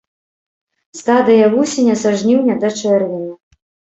Стадыя вусеня са жніўня да чэрвеня.